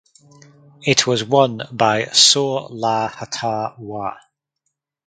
It was won by Saw Lah Htaw Wah.